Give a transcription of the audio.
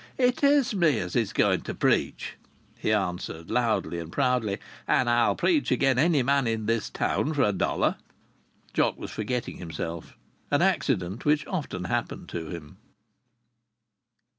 "It is me as is going to preach," he answered loudly and proudly. "And I'll preach agen any man in this town for a dollar!" Jock was forgetting himself: an accident which often happened to him.